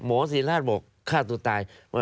หมอศิราชบอกฆ่าตัวตาย